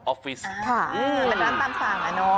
ฟิศค่ะเป็นร้านตามสั่งอะเนาะ